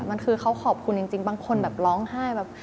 มันคือเขาขอบคุณจริงบางคนแบบร้องไห้แบบ